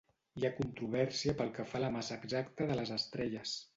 Hi ha controvèrsia pel que fa a la massa exacta de les estrelles.